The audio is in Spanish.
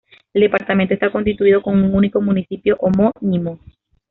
El departamento está constituido con un único municipio homónimo.